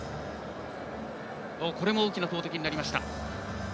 大きな投てきになりました。